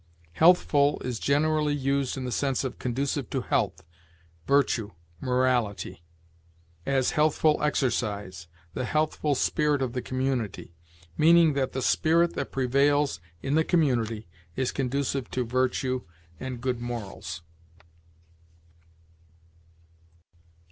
Healthful is generally used in the sense of conducive to health, virtue, morality; as, healthful exercise, the healthful spirit of the community meaning that the spirit that prevails in the community is conducive to virtue and good morals.